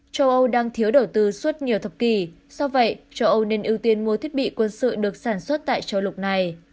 châu âu đang thiếu đầu tư suốt nhiều thập kỷ do vậy châu âu nên ưu tiên mua thiết bị quân sự được sản xuất tại châu lục này